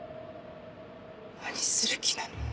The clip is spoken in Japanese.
何する気なの？